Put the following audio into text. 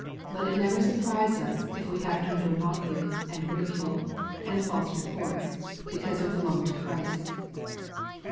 Let it never surprise us, if We have to endure mockery, and ridicule, and false reports, because we belong to Christ.